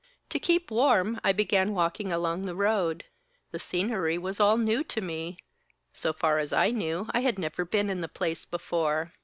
To keep warm I began walking along the road. The scenery was all new to me; so far as I knew I had never been in the place before.